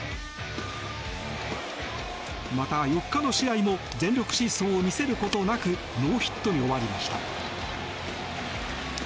また、４日の試合も全力疾走を見せることなくノーヒットに終わりました。